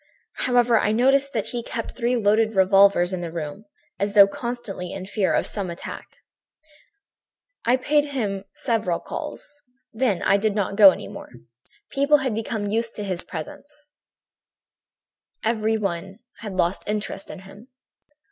"However, I noticed that he kept three loaded revolvers in the room, as though constantly in fear of some attack. "I paid him several calls. Then I did not go any more. People had become used to his presence; everybody had lost interest in him.